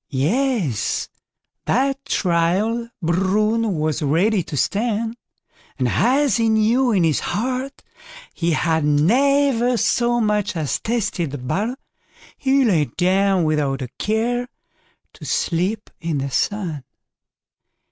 Yes, that trial Bruin was ready to stand; and as he knew in his heart he had never so much as tasted the butter, he lay down without a care to sleep in the sun.